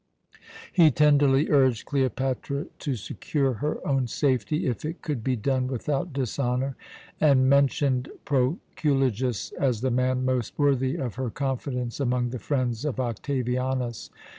He tenderly urged Cleopatra to secure her own safety, if it could be done without dishonour, and mentioned Proculejus as the man most worthy of her confidence among the friends of Octavianus.